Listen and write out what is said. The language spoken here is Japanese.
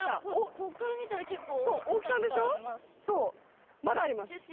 ここから見たら結構大木さん感あります。